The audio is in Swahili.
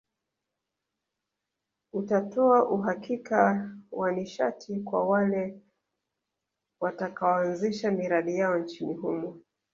Utatoa uhakika wa nishati kwa wale watakaoanzisha miradi yao nchini humo